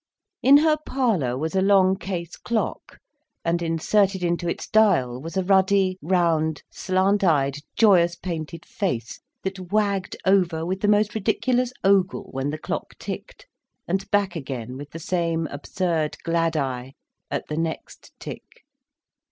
In her parlour was a long case clock, and inserted into its dial was a ruddy, round, slant eyed, joyous painted face, that wagged over with the most ridiculous ogle when the clock ticked, and back again with the same absurd glad eye at the next tick.